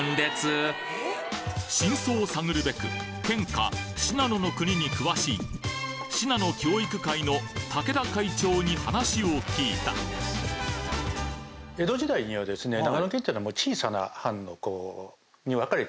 真相を探るべく県歌『信濃の国』に詳しい信濃教育会の武田会長に話を聞いたそして現在のしかし賛成！